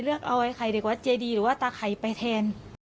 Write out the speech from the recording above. เลือกเอาไอ้ไข่เด็กวัดเจดีหรือว่าตาไข่ไปแทน